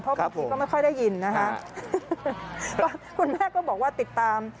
เพราะบางทีก็ไม่ค่อยได้ยินนะคะก็คุณแม่ก็บอกว่าติดตาม